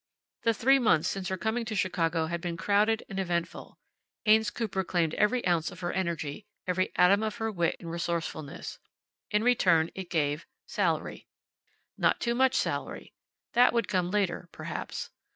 The three months since her coming to Chicago had been crowded and eventful. Haynes Cooper claimed every ounce of her energy, every atom of her wit and resourcefulness. In return it gave salary. Not too much salary. That would come later, perhaps.